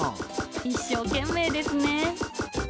一生懸命ですね。